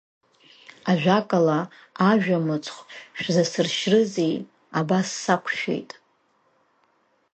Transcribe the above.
Ажәакала, ажәамыцхә шәзасыршьрызеи, абас сақәшәеит.